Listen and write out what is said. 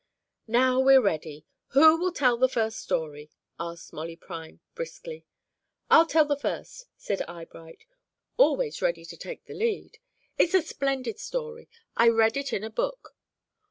"Now we're ready. Who will tell the first story?" asked Molly Prime, briskly. "I'll tell the first," said Eyebright, always ready to take the lead. "It's a splendid story. I read it in a book.